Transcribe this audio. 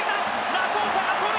ラソーサが取る！